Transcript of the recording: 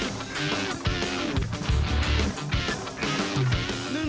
ไปดูอีกหนึ่ง